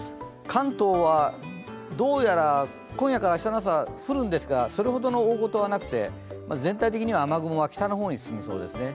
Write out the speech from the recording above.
関東はどうやら今夜から明日の朝、降るんですが、それほどの大事はなくて全体的には雨雲は北の方に進みそうですね。